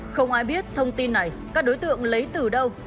không ai biết thông tin này các đối tượng lấy từ đâu